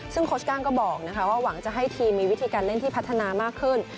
ซึ่งโค้ชก้างก็บอกว่าหวังจะให้ทีมมีวิธีการเล่นที่พัฒนามากขึ้น